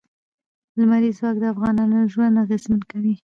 لمریز ځواک د افغانانو ژوند اغېزمن کوي.